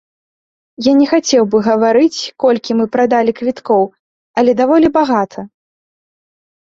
Я не хацеў бы гаварыць колькі мы прадалі квіткоў, але даволі багата.